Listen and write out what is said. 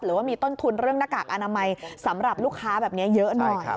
ว่ามีต้นทุนเรื่องหน้ากากอนามัยสำหรับลูกค้าแบบนี้เยอะหน่อย